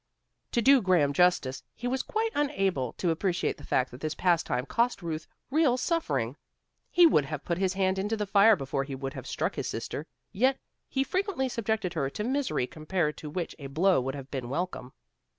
To do Graham justice, he was quite unable to appreciate the fact that this pastime cost Ruth real suffering. He would have put his hand into the fire before he would have struck his sister, yet he frequently subjected her to misery compared to which a blow would have been welcome.